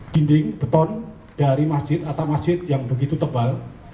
dinding beton dari masjid atau masjid yang begitu tebal